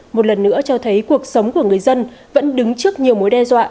một lần nữa cho thấy cuộc sống của người dân vẫn đứng trước nhiều mối đe dọa